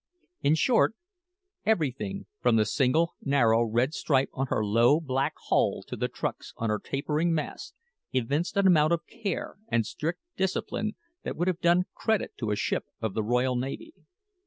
In short, everything, from the single narrow red stripe on her low, black hull to the trucks on her tapering masts, evinced an amount of care and strict discipline that would have done credit to a ship of the Royal Navy.